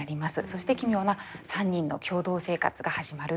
そして奇妙な３人の共同生活が始まるという。